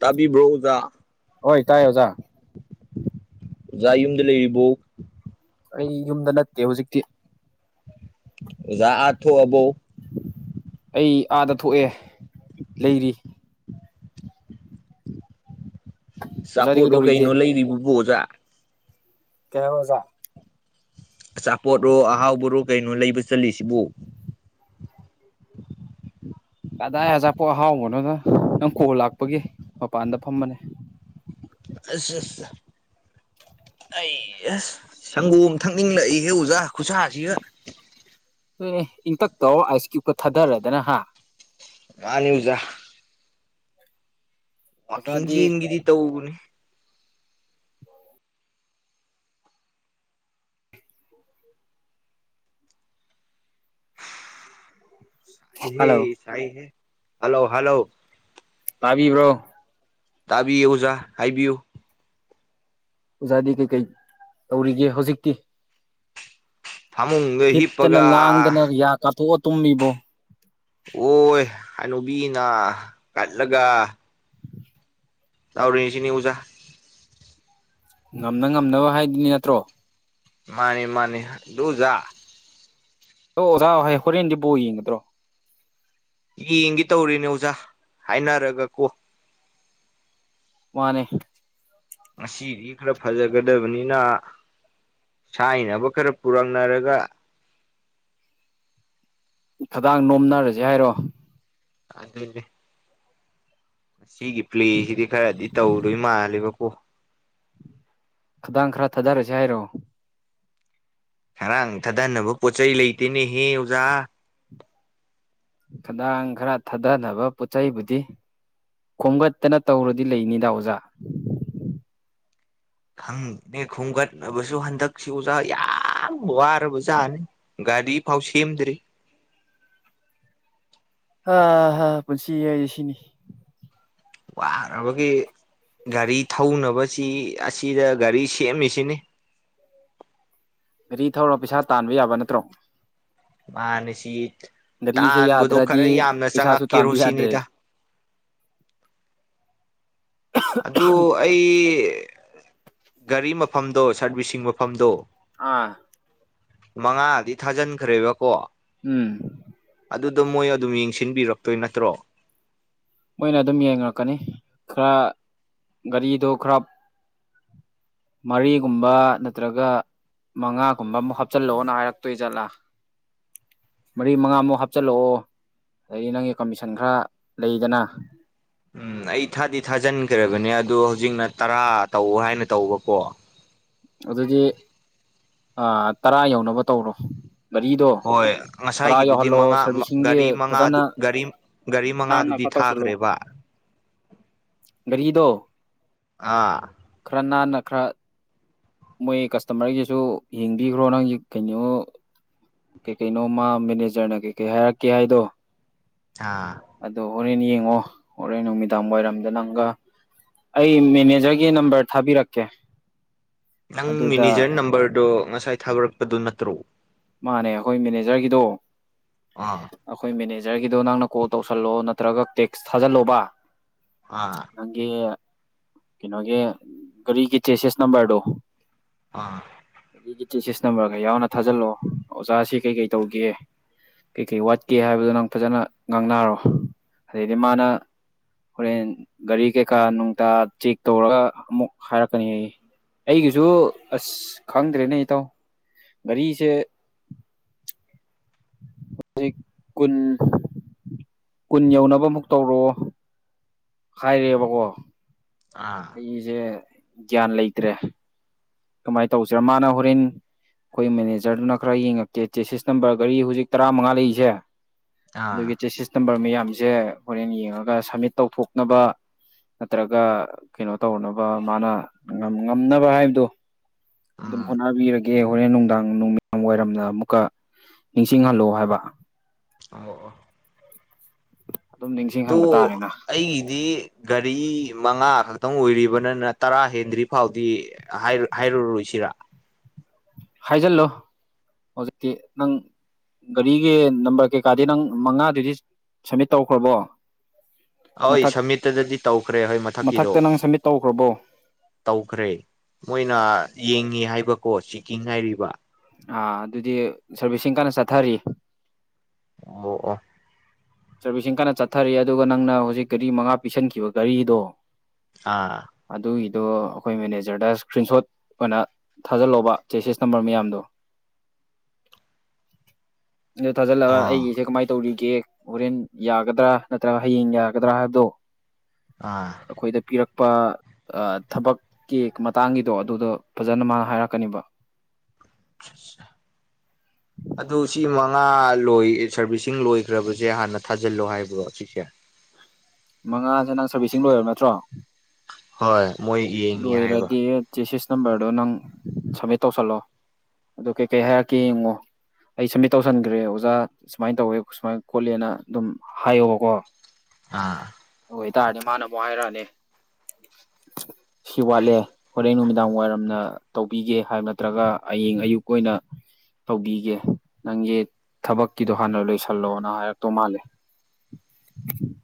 ꯇꯕꯤꯕ꯭ꯔꯣ ꯑꯣꯖꯥ ꯍꯣꯏ ꯇꯥꯏ ꯑꯣꯖꯥ ꯑꯣꯖꯥ ꯌꯨꯝꯗ ꯂꯩꯔꯤꯕꯣ ꯑꯩ ꯌꯨꯝꯗ ꯅꯠꯇꯦ ꯍꯧꯖꯤꯛꯇꯤ ꯑꯣꯖꯥ ꯑꯥ ꯊꯣꯛꯑꯕꯣ ꯑꯩ ꯑꯥꯗ ꯊꯣꯛꯑꯦ ꯂꯩꯔꯤ ꯑꯣꯖꯥꯗꯤ ꯑꯆꯥꯄꯣꯠꯂꯣ ꯀꯩꯗꯧꯔꯤꯒꯦ ꯀꯩꯅꯣ ꯂꯩꯔꯤꯕꯕꯨ ꯑꯣꯖꯥ ꯀꯩ ꯍꯥꯕ ꯑꯣꯖꯥ ꯑꯆꯥꯄꯣꯠꯔꯣ ꯑꯍꯥꯎꯕꯔꯣ ꯀꯩꯅꯣ ꯂꯩꯕ ꯆꯠꯂꯤꯁꯤꯕꯨ [inaudible] ꯀꯗꯥꯏ ꯑꯆꯥꯄꯣꯠ ꯑꯍꯥꯎꯕꯅꯣꯗ ꯅꯪ ꯀꯣꯜ ꯂꯥꯛꯄꯒꯤ ꯃꯄꯥꯟꯗ ꯐꯝꯕꯅꯦ ꯑꯁ ꯑꯁ ꯑꯩ ꯍꯥ ꯁꯪꯒꯣꯝ ꯊꯛꯅꯤꯡꯂꯛꯏꯍꯦ ꯑꯣꯖꯥ ꯈꯨꯠꯁꯥꯁꯤꯒ ꯍꯣꯏꯅꯦ ꯏꯪꯇꯛ ꯇꯧꯔ ꯑꯥꯏꯁ ꯀ꯭ꯌꯨꯞꯀ ꯊꯥꯗꯔꯗꯅ ꯍꯥ ꯃꯥꯅꯤ ꯑꯣꯖꯥ ꯋꯥꯀꯤꯡ ꯑꯣꯖꯥꯗꯤ ꯆꯦꯟꯒꯦꯗꯤ ꯇꯧꯕꯅꯤ ꯁꯥꯢꯍꯦ ꯍꯜꯂꯣ ꯁꯥꯢꯍꯦ ꯍꯜꯂꯣ ꯍꯜꯂꯣ ꯇꯥꯕꯤꯕ꯭ꯔꯣ ꯇꯥꯕꯤꯌꯦ ꯑꯣꯖꯥ ꯍꯥꯏꯕꯤꯌꯨ ꯑꯣꯖꯥꯗꯤ ꯀꯩꯀꯩ ꯇꯧꯔꯤꯒꯦ ꯍꯧꯖꯤꯛꯇꯤ ꯐꯃꯨꯡꯗ ꯍꯤꯞꯇꯅ ꯍꯤꯞꯄꯒ ꯂꯥꯡꯗꯅ ꯌꯥ ꯀꯥꯊꯣꯛꯑ ꯇꯨꯝꯃꯤꯕꯣ ꯑꯣꯢ ꯍꯅꯨꯕꯤꯅ ꯀꯠꯂꯒ ꯇꯥꯎꯔꯤꯅꯤꯁꯤꯅꯤ ꯎꯖꯥ ꯉꯝꯅ ꯉꯝꯅꯕ ꯍꯥꯏꯗꯨꯅꯤ ꯅꯠꯇ꯭ꯔꯣ ꯃꯥꯅꯤ ꯃꯥꯅꯤ ꯑꯗꯨ ꯑꯣꯖꯥ ꯗꯣ ꯑꯣꯖꯥ ꯍꯣꯔꯦꯟꯗꯤ ꯕꯣꯡ ꯌꯦꯡꯒꯗ꯭ꯔꯣ ꯌꯦꯡꯒꯦ ꯇꯧꯔꯤꯅꯦ ꯑꯣꯖꯥ ꯍꯥꯏꯅꯔꯒ ꯀꯣ ꯃꯥꯅꯦ ꯉꯁꯤꯗꯤ ꯈꯔ ꯐꯖꯒꯗꯕꯅꯤꯅ ꯁꯥꯏꯅꯕ ꯈꯔ ꯄꯨꯔꯛꯅꯔꯒ ꯈꯗꯥꯡ ꯅꯣꯝꯅꯔꯁꯦ ꯍꯥꯏꯔꯣ ꯑꯗꯨꯅꯦ ꯁꯤꯒꯤ ꯄ꯭ꯂꯦꯁꯤꯗꯤ ꯈꯔꯗꯤ ꯇꯧꯗꯣꯏ ꯃꯥꯜꯂꯦꯕꯀꯣ ꯈꯗꯥꯡ ꯈꯔ ꯊꯥꯗꯥꯔꯁꯦ ꯍꯥꯏꯔꯣ ꯈꯗꯥꯡ ꯊꯥꯗꯅꯕ ꯄꯣꯠ ꯆꯩꯩ ꯂꯩꯇꯦꯅꯦꯍꯦ ꯑꯣꯖꯥ ꯈꯗꯥꯡ ꯈꯔ ꯊꯥꯗꯅꯕ ꯄꯣꯠ ꯆꯩꯩꯕꯨꯗꯤ ꯈꯣꯝꯒꯠꯇꯅ ꯇꯧꯔꯗꯤ ꯂꯩꯅꯤꯗ ꯑꯣꯖꯥ ꯈꯪꯅꯦ ꯈꯣꯝꯒꯠꯅꯕꯁꯨ ꯍꯟꯗꯛꯁꯤ ꯑꯣꯖꯥ ꯌꯥꯝ ꯋꯥꯔꯕꯖꯥꯅꯤ ꯒꯥꯔꯤ ꯐꯥꯎ ꯁꯦꯝꯗ꯭ꯔꯤ ꯑꯥ ꯄꯨꯟꯁꯤ ꯍꯥꯏꯁꯤ ꯁꯤꯅꯤ ꯋꯥꯔꯕꯒꯤ ꯒꯥꯔꯤ ꯊꯧꯅꯕꯁꯤ ꯑꯁꯤꯗ ꯒꯥꯔꯤ ꯁꯦꯝꯃꯤꯁꯤꯅꯤ ꯒꯥꯔꯤ ꯊꯧꯔ ꯄꯩꯁꯥ ꯇꯥꯟꯕ ꯌꯥꯕ ꯅꯠꯇ꯭ꯔꯣ ꯃꯥꯅꯦ ꯁꯤ ꯒꯥꯔꯤꯁꯦ ꯇꯥꯟꯕꯗꯣ ꯌꯥꯗ꯭ꯔꯗꯤ ꯈꯔ ꯌꯥꯝꯅ ꯄꯩꯁꯥꯁꯨ ꯆꯪꯉꯛꯀꯦꯔꯣ ꯇꯥꯟꯕ ꯌꯥꯗ꯭ꯔꯦ ꯁꯤꯅꯤꯗ ꯑꯗꯨ ꯑꯩ ꯒꯥꯔꯤ ꯃꯐꯝꯗꯣ ꯁꯥꯔꯕꯤꯁꯤꯡ ꯃꯐꯝꯗꯣ ꯑꯥ ꯃꯉꯥꯗꯤ ꯊꯥꯖꯟꯈ꯭ꯔꯦꯕꯀꯣ ꯎꯝ ꯑꯗꯨꯗꯣ ꯃꯣꯏ ꯑꯗꯨꯝ ꯌꯦꯡꯁꯤꯟꯕꯤꯔꯛꯇꯣꯏ ꯅꯠꯇ꯭ꯔꯣ ꯃꯣꯏꯅ ꯑꯗꯨꯝ ꯌꯦꯡꯉꯔꯛꯀꯅꯤ ꯈꯔ ꯒꯥꯔꯤꯗꯣ ꯈꯔ ꯃꯔꯤꯒꯨꯝꯕ ꯅꯠꯇ꯭ꯔꯒ ꯃꯉꯥꯒꯨꯝꯕ ꯑꯃꯨꯛ ꯍꯥꯞꯆꯤꯜꯂꯛꯑꯣꯅ ꯍꯥꯏꯔꯛꯇꯣꯏ ꯖꯥꯠꯂꯥ ꯃꯔꯤ ꯃꯉꯥꯃꯨꯛ ꯍꯥꯞꯆꯜꯂꯛꯑꯣ ꯑꯗꯒꯤ ꯅꯪꯒꯤ ꯀꯃꯤꯁꯟ ꯈꯔ ꯂꯩꯗꯅ ꯎꯝ ꯑꯩ ꯊꯥꯗꯤ ꯊꯥꯖꯤꯟꯈ꯭ꯔꯕꯅꯦ ꯑꯗꯣ ꯍꯧꯖꯤꯛꯅ ꯇꯔꯥ ꯇꯧ ꯍꯥꯏꯅ ꯇꯧꯕꯀꯣ ꯑꯗꯨꯗꯤ ꯇꯔꯥ ꯌꯧꯅꯕ ꯇꯧꯔꯣ ꯒꯥꯔꯤꯗꯣ ꯍꯣꯏ ꯇꯔꯥ ꯉꯁꯥꯏꯒꯤꯗꯨꯗꯤ ꯌꯧꯍꯜꯂꯣ ꯃꯉꯥ ꯃ ꯁꯥꯔꯚꯤꯁꯤꯡꯒꯤ ꯒꯥꯔꯤ ꯃꯥ ꯐꯖꯅ ꯒꯥꯔꯤ ꯒꯥꯔꯤ ꯃꯉꯥꯗꯨꯗꯤ ꯊꯥꯈ꯭ꯔꯦꯕ ꯒꯔꯤꯗꯣ ꯑꯥ ꯀꯅꯥꯅ ꯈꯔ ꯃꯣꯏ ꯀꯁꯇꯃꯔꯒꯤꯁꯨ ꯌꯦꯡꯕꯤꯈ꯭ꯔꯣ ꯅꯪꯒꯤ ꯀꯩꯅꯣ ꯀꯩ ꯀꯩꯅꯣ ꯃꯥ ꯃꯦꯅꯦꯖꯔꯅ ꯀꯩꯀꯩ ꯍꯥꯏꯔꯛꯀꯦ ꯍꯥꯏꯗꯣ ꯑꯥ ꯑꯗꯣ ꯍꯣꯔꯦꯟ ꯌꯦꯡꯉꯣ ꯍꯣꯔꯦꯟ ꯅꯨꯃꯤꯗꯥꯡ ꯋꯥꯏꯔꯝꯗ ꯅꯪꯒ ꯑꯩ ꯃꯦꯅꯦꯖꯔꯒꯤ ꯅꯝꯕꯔ ꯊꯥꯕꯤꯔꯛꯀꯦ ꯅꯪ ꯑꯗꯨꯗ ꯃꯦꯅꯦꯖꯔ ꯅꯝꯕꯔꯗꯣ ꯉꯁꯥꯏ ꯊꯥꯔꯛꯄꯗꯨ ꯅꯠꯇ꯭ꯔꯣ ꯃꯥꯅꯦ ꯑꯩꯈꯣꯏ ꯃꯦꯅꯦꯖꯔꯒꯤꯗꯣ ꯑꯥ ꯑꯩꯈꯣꯏ ꯃꯦꯅꯦ ꯖꯔꯒꯤꯗꯣ ꯅꯪꯅ ꯀꯣꯜ ꯇꯧꯁꯜꯂꯣ ꯅꯠꯇ꯭ꯔꯒ ꯇꯦꯛꯁ ꯊꯥꯖꯜꯂꯣꯕ ꯑꯥ ꯅꯪꯒꯤ ꯀꯩꯅꯣꯒꯤ ꯒꯥꯔꯤꯒꯤ ꯆꯦꯁꯤꯁ ꯅꯝꯕꯔꯗꯣ ꯑꯥ ꯒꯥꯔꯤꯒꯤ ꯆꯦꯁꯤꯁ ꯅꯝꯕꯔꯒ ꯌꯥꯎꯅ ꯊꯥꯖꯤꯜꯂꯛꯑꯣ ꯑꯣꯖꯥꯁꯤ ꯀꯩ ꯀꯩ ꯇꯧꯒꯦ ꯀꯩ ꯀꯩ ꯋꯥꯠꯀꯦ ꯍꯥꯏꯕꯗꯣ ꯅꯪ ꯐꯖꯅ ꯉꯥꯡꯅꯔꯣ ꯑꯗꯩꯗꯤ ꯃꯥꯅ ꯍꯣꯔꯦꯟ ꯒꯥꯔꯤ ꯀꯩꯀꯥ ꯅꯨꯡꯇ ꯆꯦꯛ ꯇꯧꯔꯒ ꯑꯃꯨꯛ ꯍꯥꯏꯔꯛꯀꯅꯤ ꯌꯦ ꯑꯩꯒꯤꯁꯨ ꯑꯁ ꯈꯪꯗ꯭ꯔꯦꯅꯦ ꯏꯇꯥꯎ ꯒꯥꯔꯤꯁꯦ [unintelligible] ꯀꯨꯟ ꯌꯧꯅꯕꯃꯨꯛ ꯇꯧꯔꯣ ꯍꯥꯏꯔꯦꯕꯀꯣ ꯑꯥ ꯑꯩꯁꯦ ꯒ꯭ꯌꯥꯟ ꯂꯩꯇ꯭ꯔꯦ ꯀꯃꯥꯏꯅ ꯇꯧꯁꯤꯔ ꯃꯥꯅ ꯍꯣꯔꯦꯟ ꯑꯩꯈꯣꯏ ꯃꯦꯅꯦꯖꯔꯗꯨꯅ ꯈꯔ ꯌꯦꯡꯉꯛꯀꯦ ꯆꯦꯁꯤꯁ ꯅꯝꯕꯔ ꯒꯥꯔꯤ ꯍꯧꯖꯤꯛ ꯇꯔꯥ ꯃꯉꯥ ꯂꯩꯔꯤꯁꯦ ꯑꯥ ꯑꯗꯨꯒꯤ ꯆꯦꯁꯤꯁ ꯅꯝꯕꯔ ꯃꯌꯥꯝꯖꯦ ꯍꯣꯔꯦꯟ ꯌꯦꯡꯉꯒ ꯁꯞꯃꯤꯠ ꯇꯧꯊꯣꯛꯅꯕ ꯅꯠꯇ꯭ꯔꯒ ꯀꯩꯅꯣ ꯇꯧꯅꯕ ꯃꯥꯅ ꯉꯝꯅꯕ ꯍꯥꯏꯕꯗꯣ ꯑꯗꯨꯝ ꯎꯝ ꯍꯣꯠꯅꯕꯤꯔ ꯒꯦ ꯍꯣꯔꯦꯟ ꯅꯨꯡꯗꯥꯡ ꯅꯨꯃꯤꯗꯥꯡ ꯋꯥꯏꯔꯝꯗ ꯑꯃꯨꯛꯀ ꯅꯤꯡꯁꯤꯡꯍꯜꯂꯣ ꯍꯥꯏꯕ ꯑꯧꯑꯧ ꯑꯗꯨꯝ ꯑꯗꯣ ꯅꯤꯡꯁꯤꯡꯍꯟꯕ ꯇꯥꯔꯦꯅ ꯑꯩꯒꯤꯗꯤ ꯒꯥꯔꯤ ꯃꯉꯥ ꯈꯛꯇꯪ ꯑꯣꯏꯔꯤꯕꯅꯤꯅ ꯇꯔꯥ ꯍꯦꯟꯗ꯭ꯔꯤ ꯐꯥꯎꯗꯤ ꯍꯥꯏ ꯍꯥꯢꯔꯨꯔꯣꯏꯁꯤ ꯔꯥ ꯍꯥꯏꯖꯤꯜꯂꯨ ꯍꯧꯖꯤꯛꯇꯤ ꯅꯪ ꯒꯥꯔꯤꯒꯤ ꯅꯝꯕꯔ ꯀꯩꯀꯥꯗꯤ ꯅꯪ ꯃꯉꯥꯗꯨꯗꯤ ꯁꯝꯃꯤꯠ ꯇꯧꯔꯛꯈ꯭ꯔꯕꯣ ꯍꯣꯏ ꯁꯝꯃꯤꯠꯇꯨꯗꯗꯤ ꯇꯧꯈ꯭ꯔꯦ ꯍꯣꯏ ꯃꯊꯛꯀꯤꯗꯣ ꯃꯊꯛꯇ ꯅꯪ ꯁꯕꯃꯤꯠ ꯇꯧꯈ꯭ꯔꯕꯣ ꯇꯧꯈ꯭ꯔꯦ ꯃꯣꯏꯅ ꯌꯦꯡꯉꯤ ꯍꯥꯏꯕꯀꯣ ꯆꯤꯀꯤꯛ ꯍꯥꯏꯔꯤꯕ ꯑꯥ ꯑꯗꯨꯗꯤ ꯁꯔꯚꯤꯁꯁꯤꯡ ꯀꯟꯅ ꯆꯠꯊꯔꯤ ꯑꯣ ꯑꯣ ꯁꯔꯕꯤꯁꯤꯡ ꯀꯟꯅ ꯆꯠꯊꯔꯤ ꯑꯗꯨꯒ ꯅꯪꯅ ꯍꯧꯖꯤꯛ ꯒꯥꯔꯤ ꯃꯉꯥ ꯄꯤꯁꯟꯈꯤꯕ ꯒꯥꯔꯤꯗꯣ ꯑꯥ ꯗꯣ ꯑꯩꯈꯣꯏ ꯃꯦꯅꯦꯖꯔꯗ ꯏꯁꯀ꯭ꯔꯤꯟ ꯁꯣꯠ ꯑꯣꯏꯅ ꯊꯥꯖꯤꯜꯂꯣꯕ ꯆꯦꯁꯤꯁ ꯅꯝꯕꯔ ꯃꯌꯥꯝꯗꯣ [inaudible] ꯑꯗꯣ ꯊꯥꯖꯤꯜꯂꯒ ꯑꯥ ꯑꯩꯒꯤꯁꯦ ꯀꯃꯥꯏꯅ ꯇꯧꯔꯤꯒꯦ ꯍꯣꯔꯦꯟ ꯌꯥꯒꯗ꯭ꯔꯥ ꯅꯠꯇ꯭ꯔꯒ ꯍꯌꯦꯡ ꯌꯥꯒꯗ꯭ꯔꯥ ꯍꯥꯏꯕꯗꯣ ꯑꯥ ꯑꯩꯈꯣꯏꯗ ꯄꯤꯔꯛ ꯄ ꯊꯕꯛꯀꯤ ꯃꯇꯥꯡꯒꯤꯗꯣ ꯑꯗꯨꯗꯣ ꯐꯖꯅ ꯃꯥꯅ ꯍꯥꯏꯔꯛꯀꯅꯤꯕ [unintelligible] ꯑꯗꯨ ꯁꯤ ꯃꯉꯥ ꯂꯣꯏ ꯁꯔꯕꯤꯁꯤꯡ ꯂꯣꯏꯈ꯭ꯔꯕꯁꯦ ꯍꯥꯟꯅ ꯊꯥꯖꯤꯜꯂꯣ ꯍꯥꯏꯕ꯭ꯔꯣ ꯁꯤꯁꯦ ꯃꯉꯥꯁꯦ ꯅꯪ ꯁꯥꯔꯕꯤꯁꯤꯡ ꯂꯣꯏꯔꯕ ꯅꯠꯇ꯭ꯔꯣ ꯍꯣꯏ ꯃꯣꯏ ꯌꯦꯡꯉꯤ ꯍꯥꯏꯕ ꯂꯣꯏꯔꯗꯤ ꯆꯦꯁꯤꯁ ꯅꯝꯕꯔꯗꯣ ꯅꯪ ꯁꯞꯃꯤꯠ ꯇꯧꯁꯜꯂꯣ ꯑꯗꯨ ꯀꯩꯀꯩ ꯍꯥꯏꯔꯛꯀꯦ ꯌꯦꯡꯉꯣ ꯑꯩ ꯁꯝꯃꯤꯠ ꯇꯧꯁꯟꯈ꯭ꯔꯦ ꯑꯣꯖꯥ ꯁꯨꯃꯥꯏꯅ ꯇꯧꯋꯦ ꯁꯨꯃꯥꯏ ꯈꯣꯠꯂꯦꯅ ꯑꯗꯨꯝ ꯍꯥꯏꯌꯣꯕꯀꯣ ꯑꯥ ꯑꯗꯨ ꯑꯣꯏꯇꯥꯔꯗꯤ ꯃꯥꯅꯃꯨꯛ ꯍꯥꯏꯔꯛꯑꯅꯤ ꯁꯤ ꯋꯥꯠꯂꯦ ꯍꯣꯔꯦꯟ ꯅꯨꯃꯤꯗꯥꯡ ꯋꯥꯏꯔꯝꯅ ꯇꯧꯕꯤꯒꯦ ꯍꯥꯏꯕ ꯅꯠꯇ꯭ꯔꯒ ꯍꯌꯦꯡ ꯑꯌꯨꯛ ꯑꯣꯏꯅ ꯇꯧꯕꯤꯒꯦ ꯅꯪꯒꯤ ꯊꯕꯛꯀꯤꯗꯣ ꯍꯥꯟꯅ ꯂꯣꯏꯁꯜꯂꯣꯅ ꯍꯥꯏꯔꯛꯇꯧ ꯃꯥꯜꯂꯦ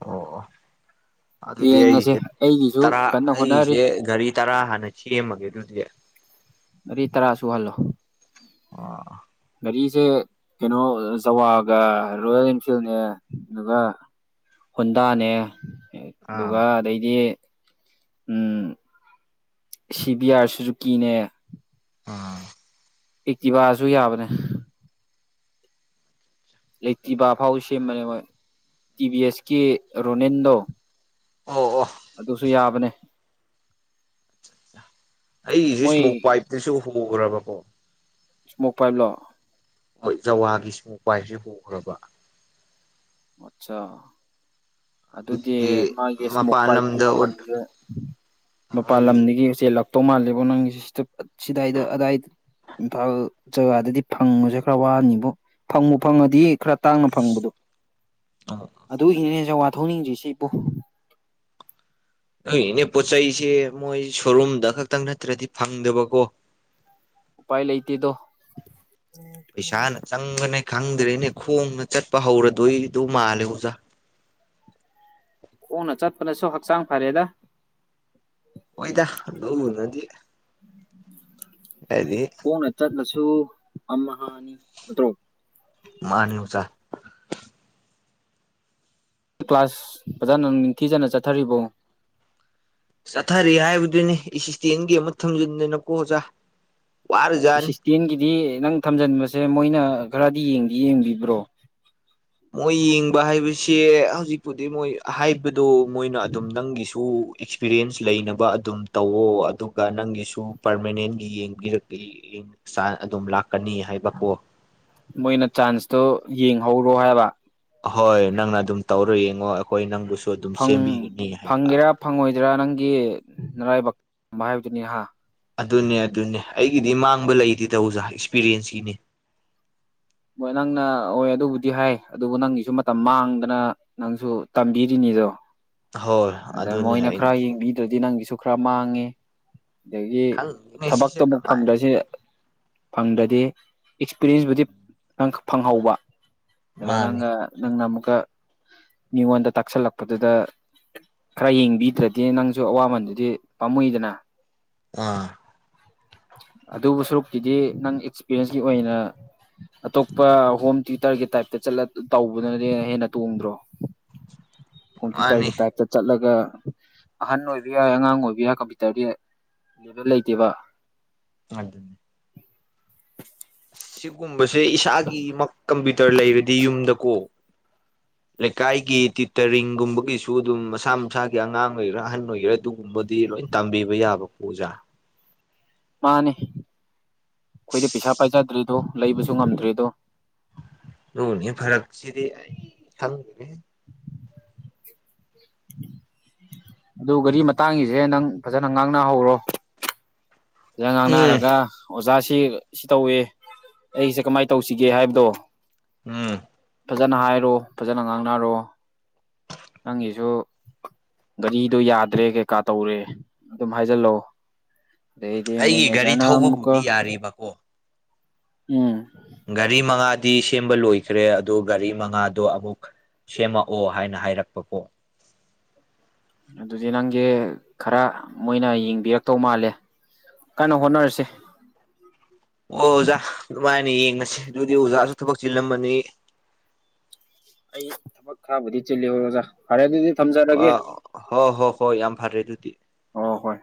ꯑꯣ ꯑꯣ ꯑꯗꯨꯗꯤ ꯌꯦꯡꯉꯁꯦ ꯑꯩꯒꯤꯁꯦ ꯑꯩꯒꯤꯁꯨ ꯇꯔꯥ ꯀꯟꯅ ꯍꯣꯠꯅꯔꯤ ꯑꯩꯒꯤꯁꯦ ꯒꯥꯔꯤ ꯇꯔꯥ ꯍꯥꯟꯅ ꯁꯦꯝꯃꯒꯦ ꯑꯗꯨꯗꯤ ꯑꯗꯩ ꯇꯔꯥ ꯁꯨꯍꯜꯂꯣ ꯑꯣ ꯑꯣ ꯒꯥꯔꯤꯁꯦ ꯀꯩꯅꯣ ꯖꯋꯥꯒ ꯔꯣꯌꯦꯜ ꯏꯟꯐꯤꯜꯅꯦ ꯑꯗꯨꯒ ꯍꯨꯟꯗꯥꯅꯦ ꯑꯥ ꯑꯗꯨꯒ ꯑꯗꯩꯗꯤ ꯎꯝ ꯁꯤꯕꯤꯌꯥꯥꯔ ꯁꯨꯁꯨ ꯀꯤꯅꯦ ꯑꯥ ꯑꯦꯛꯇꯤꯕꯥꯁꯨ ꯌꯥꯕꯅꯦ ꯑꯦꯛꯇꯤꯕꯐꯧ ꯁꯦꯝꯕꯅꯦ ꯃꯣꯏ ꯏ ꯚꯤ ꯑꯦꯁ ꯀꯤ ꯔꯣꯅꯦꯟꯗꯣ ꯑꯣ ꯑꯣ ꯑꯗꯨꯁꯨ ꯌꯥꯕꯅꯦ ꯑꯩꯁꯦ ꯃꯣꯏ ꯏꯁꯃꯣꯛ ꯄꯥꯏꯞꯇꯁꯨ ꯍꯣꯒ꯭ꯔꯕꯀꯣ ꯏꯁꯃꯣꯛ ꯄꯥꯏꯞꯂꯣ ꯍꯣꯏ ꯖꯋꯥꯒꯤ ꯁꯨ ꯄꯥꯞꯁꯦ ꯍꯣꯈ꯭ꯔꯕ ꯑꯆꯥ ꯑꯗꯨꯗꯤ ꯑꯗꯨꯒꯤ ꯃꯥꯒꯤ ꯏꯁꯃꯣꯛ ꯃꯄꯥꯟ ꯄꯥꯏꯞꯀꯤ ꯂꯝꯗ ꯃꯃꯜꯁꯦ ꯃꯄꯥꯟ ꯃꯣꯏ ꯂꯝꯗꯒꯤ ꯎꯆꯦꯜꯂꯥꯛꯛꯇꯧ ꯃꯥꯜꯂꯦꯕꯣ ꯅꯪꯒꯤ ꯁꯤꯗꯥꯏꯗ ꯑꯗꯥꯏꯗ ꯏꯝꯐꯥꯜ ꯖꯒꯥꯗꯗꯤ ꯐꯪꯕꯁꯦ ꯈꯔ ꯋꯥꯅꯤꯕꯨ ꯐꯪꯕꯨ ꯐꯪꯉꯗꯤ ꯈꯔ ꯇꯥꯡꯅ ꯐꯪꯕꯗꯣ ꯑꯗꯨꯒꯤꯅꯦ ꯖꯋꯥ ꯊꯧꯅꯤꯡꯗ꯭ꯔꯤꯁꯤꯄꯣ ꯑꯩꯒꯤꯅꯦ ꯄꯣꯠ ꯆꯩꯩꯁꯦ ꯃꯣꯏ ꯁꯣꯔꯨꯝꯗ ꯈꯛꯇꯪ ꯅꯠꯇ꯭ꯔꯗꯤ ꯐꯪꯗꯕꯀꯣ ꯎꯄꯥꯏ ꯂꯩꯇꯦꯗꯣ ꯄꯩꯁꯥꯅ ꯆꯪꯕꯅꯦ ꯈꯪꯗ꯭ꯔꯦꯅꯦ ꯈꯣꯡꯅ ꯆꯠꯄ ꯍꯧꯔꯗꯣꯏꯗꯣ ꯃꯥꯜꯂꯦ ꯑꯣꯖꯥ ꯈꯣꯡꯅ ꯆꯠꯄꯗꯁꯨ ꯍꯛꯆꯥꯡ ꯐꯔꯦꯗ ꯍꯣꯏꯗ ꯑꯗꯨꯅꯗꯤ ꯈꯣꯡꯅ ꯆꯠꯂꯁꯨ ꯑꯝꯍꯅꯤ ꯅꯠꯇ꯭ꯔꯣ ꯃꯥꯟꯅꯤ ꯑꯣꯖꯥ ꯀ꯭ꯂꯥꯁ ꯐꯖꯅ ꯅꯤꯡꯊꯤꯖꯅ ꯆꯠꯊꯔꯤꯕꯣ ꯆꯠꯊꯔꯤ ꯍꯥꯏꯕꯗꯨꯅꯦ ꯑꯦꯁꯤꯁꯇꯦꯟꯒꯤ ꯑꯃ ꯊꯝꯖꯤꯟꯗꯅꯀꯣ ꯑꯣꯖꯥ ꯋꯥꯔꯖꯥꯠꯅꯤ ꯑꯦꯁꯤꯁꯇꯦꯟꯒꯤꯗꯤ ꯅꯪ ꯊꯝꯖꯤꯟꯕꯁꯦ ꯃꯣꯏꯅ ꯈꯔꯗꯤ ꯌꯦꯡꯗꯤ ꯌꯦꯡꯕꯤꯕ꯭ꯔꯣ ꯃꯣꯏ ꯌꯦꯡꯕ ꯍꯥꯏꯕꯁꯦ ꯍꯧꯖꯤꯛꯄꯨꯗꯤ ꯃꯣꯏ ꯍꯥꯏꯕꯗꯣ ꯃꯣꯏꯅ ꯑꯗꯨꯝ ꯅꯪꯒꯤꯁꯨ ꯑꯦꯛꯁꯄꯤꯔꯤꯌꯦꯟꯁ ꯂꯩꯅꯕ ꯑꯗꯨꯝ ꯇꯧꯋꯣ ꯑꯗꯨꯒ ꯅꯪꯒꯤꯁꯨ ꯄꯥꯔꯃꯅꯦꯟꯒꯤ ꯌꯦꯡꯕꯤꯔꯛꯏ ꯑꯗꯨꯝ ꯂꯥꯛꯀꯅꯤ ꯍꯥꯏꯕꯀꯣ ꯃꯣꯏꯅ ꯆꯥꯟꯁꯇꯣ ꯌꯦꯡꯍꯧꯔꯣ ꯍꯥꯏꯕ ꯍꯣꯏ ꯅꯪꯅ ꯑꯗꯨꯝ ꯇꯧꯔ ꯌꯦꯡꯉꯣ ꯑꯈꯣꯏ ꯅꯪꯕꯨꯁꯨ ꯑꯗꯨꯝ ꯐꯪ ꯁꯦꯝꯕꯤꯒꯅꯤ ꯍꯥꯏꯕ ꯐꯪꯒꯦꯔꯥ ꯐꯪꯉꯣꯏꯗ꯭ꯔꯥ ꯅꯪꯒꯤ ꯅꯔꯥꯏꯕꯛ ꯑꯗꯨꯃꯥꯏ ꯍꯥꯏꯕꯗꯨꯅꯤ ꯍ ꯑꯗꯨꯅꯦ ꯑꯗꯨꯅꯦ ꯑꯩꯒꯤꯗꯤ ꯃꯥꯡꯕ ꯂꯩꯇꯦ ꯑꯣꯖꯥ ꯑꯦꯛꯁꯄꯤꯔꯤ ꯌꯦꯟꯁꯀꯤꯅꯦ ꯍꯣꯏ ꯅꯪꯅ ꯍꯣꯏ ꯑꯗꯨꯕꯨꯗꯤ ꯍꯥꯏ ꯑꯗꯨꯕꯨ ꯅꯪꯒꯤꯁꯨ ꯃꯇꯝ ꯃꯥꯡꯗꯅ ꯅꯪꯁꯨ ꯇꯝꯕꯤꯔꯤꯅꯤ [unintelligible] ꯍꯣꯏ ꯑꯗ ꯑꯗꯨꯅꯦ ꯃꯣꯏꯅ ꯑꯩ ꯈꯔ ꯌꯦꯡꯕꯤꯗ꯭ꯔꯗꯤ ꯅꯪꯒꯤꯁꯨ ꯈꯔ ꯃꯥꯡꯉꯦ ꯑꯗꯒꯤ ꯈꯪꯗꯦꯅꯦ ꯊꯕꯛꯇꯨ ꯁꯤꯁꯦ ꯑꯃꯨꯛ ꯀꯃꯥꯏꯅ ꯐꯪꯗ꯭ꯔꯁ ꯐꯪꯗ꯭ꯔꯗꯤ ꯑꯦꯛꯁꯄꯤꯔꯤꯌꯦꯟꯁꯕꯨꯨꯗꯤ ꯅꯪ ꯐꯪꯍꯧꯕ ꯑꯗꯨꯒ ꯃꯥꯅꯤ ꯅꯪꯒ ꯅꯪꯅ ꯑꯃꯨꯛꯀ ꯃꯤꯉꯣꯟꯗ ꯇꯥꯛꯁꯜꯂꯛꯄꯗꯨꯗ ꯈꯔ ꯌꯦꯡꯕꯤꯗ꯭ꯔꯗꯤ ꯅꯪꯁꯨ ꯑꯋꯥꯃꯟꯗꯨꯗꯤ ꯄꯥꯝꯃꯨꯏꯗꯅ ꯑꯥ ꯑꯗꯨꯕꯨ ꯁꯔꯨꯛꯇꯨꯗꯤ ꯅꯪ ꯑꯦꯛꯁꯄꯤꯔꯤꯌꯦꯟꯁꯀꯤ ꯑꯣꯏꯅ ꯑꯇꯣꯞꯄ ꯍꯣꯝ ꯇꯤꯌꯨꯇꯔꯒꯤ ꯇꯥꯏꯞꯇꯂ ꯇꯧꯕꯗꯨꯅꯗꯤ ꯍꯦꯟꯅ ꯇꯣꯡꯗ꯭ꯔꯣ [unintelligible] ꯍꯣꯝ ꯃꯥꯅꯤ ꯇꯨꯇꯔꯒꯤ ꯇꯥꯏꯞꯇ ꯆꯠꯂꯒ ꯑꯍꯟ ꯑꯣꯏꯕ ꯌꯥꯏ ꯑꯉꯥꯡ ꯑꯣꯏꯕ ꯌꯥꯏ ꯀꯝꯄ꯭ꯌꯨꯇꯔꯗꯤ ꯑꯗꯨꯗ ꯂꯩꯇꯦꯕ ꯉꯥꯏ ꯑꯗꯨꯒꯨꯝꯕꯁꯦ ꯏꯁꯥꯒꯤ ꯀꯝꯄ꯭ꯌꯨꯇꯔ ꯂꯩꯔꯗꯤ ꯌꯨꯝꯗꯀꯣ ꯂꯩꯀꯥꯏꯒꯤ ꯇ꯭ꯌꯨꯇꯔꯤꯡꯒꯨꯝꯕꯒꯤꯁꯨ ꯑꯗꯨꯝ ꯃꯁꯥ ꯃꯁꯥꯒꯤ ꯑꯉꯥꯡ ꯑꯣꯏꯒꯦꯔꯥ ꯑꯍꯟ ꯑꯣꯏꯒꯦꯔꯥ ꯑꯗꯨꯒꯨꯝꯕ ꯕꯨꯗꯤ ꯂꯣꯏ ꯇꯝꯕꯤꯕ ꯌꯥꯕ ꯄꯨꯖꯥ ꯃꯥꯟꯅꯦ ꯈꯣꯏꯗꯤ ꯄꯩꯁꯥ ꯄꯥꯏꯖꯗ꯭ꯔꯦ ꯇꯣꯞ ꯂꯩꯕꯖꯨ ꯉꯝꯗ꯭ꯔꯦꯗꯣ ꯗꯨꯅꯦ ꯐꯔꯛꯁꯤꯗꯤ ꯈꯪꯗꯔꯦꯍꯦ ꯑꯗꯨ ꯒꯔꯤ ꯃꯇꯥꯡꯒꯤꯖꯦ ꯅꯪ ꯐꯖꯅ ꯉꯥꯡꯅꯍꯧꯔꯣ ꯐꯖ ꯎꯝ ꯉꯥꯡꯅꯔꯒ ꯑꯣꯖꯥ ꯖꯤ ꯁꯤ ꯇꯧꯋꯤ ꯑꯩꯒꯤꯖꯦ ꯀꯃꯥꯏ ꯇꯧꯁꯤꯒꯦ ꯍꯥꯏꯕꯗꯣ ꯎꯝ ꯐꯖꯅ ꯍꯥꯏꯔꯣ ꯐꯖꯅ ꯉꯥꯡꯅꯔꯣ ꯅꯪꯒꯤꯖꯨ ꯒꯔꯤꯗꯣ ꯌꯥꯗ꯭ꯔꯦ ꯀꯩꯀꯥ ꯇꯧꯔꯦ ꯑꯗꯨꯝ ꯍꯥꯏꯖꯤꯜꯂꯣ ꯗꯩꯗꯤ ꯑꯩꯒꯤ ꯒꯥꯔꯤ ꯃꯦꯅꯦꯖꯔꯅ ꯑꯃꯨꯛꯀ ꯊꯧꯕꯕꯨꯗꯤ ꯌꯥꯔꯤꯕꯀꯣ ꯎꯝ ꯒꯥꯔꯤ ꯃꯉꯥꯗꯤ ꯁꯦꯝꯕ ꯂꯣꯏꯈ꯭ꯔꯦ ꯑꯗꯣ ꯒꯥꯔꯤ ꯃꯉꯥꯗꯣ ꯑꯃꯨꯛ ꯁꯦꯝꯃꯛꯑꯣ ꯍꯥꯏꯅ ꯍꯥꯏꯔꯛꯄꯀꯣ ꯑꯗꯨꯗꯤ ꯅꯪꯒꯤ ꯈꯔ ꯃꯣꯏꯅ ꯌꯦꯡꯕꯤꯔꯛꯇꯧ ꯃꯥꯜꯂꯦ ꯀꯟꯅ ꯍꯣꯠꯅꯔꯁꯦ ꯃꯥꯥꯟꯅꯤ ꯌꯦꯡꯉꯁꯦ ꯑꯗꯨꯗꯤ ꯑꯣꯖꯥꯁꯨ ꯊꯕꯛ ꯆꯤꯜꯂꯝꯃꯅꯤ ꯑꯩ ꯊꯕꯛ ꯈꯔꯕꯨꯗꯤ ꯆꯤꯜꯂꯦ ꯍꯣꯏ ꯑꯣꯖꯥ ꯐꯔꯦ ꯑꯗꯨꯗꯤ ꯊꯝꯖꯔꯒꯦ ꯑꯥ ꯍꯣ ꯍꯣ ꯍꯣꯏ ꯌꯥꯝ ꯐꯔꯦ ꯑꯗꯨꯗꯤ ꯑꯣ ꯍꯣꯏ